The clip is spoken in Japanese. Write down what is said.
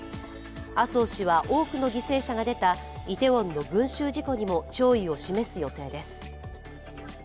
麻生氏は多くの犠牲者が出たイテウォンの群集事故にも弔意を示す予定です。